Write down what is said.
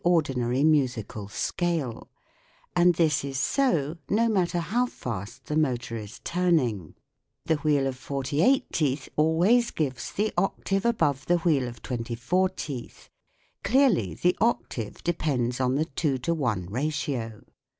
ordinary musical scale ; and this is so, no matter how fast the motor is turning. The wheel of 48 teeth always gives the octave above the wheel of 24 teeth ; clearly the octave depends on the 2 : i ratio.